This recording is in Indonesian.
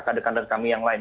keadaan keadaan kami yang lain